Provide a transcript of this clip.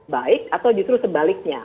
baik atau justru sebaliknya